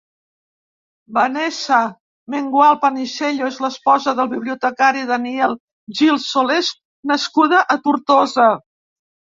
Vanessa Mengual Panisello és l'esposa del bibliotecari Daniel Gil Solés, nascuda a Tortosa.